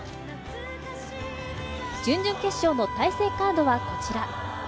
準々決勝の対戦カードはこちら。